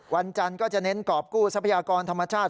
วันจันทร์ก็จะเน้นกรอบกู้ทรัพยากรธรรมชาติ